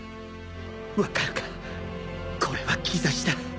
分かるかこれは兆しだ。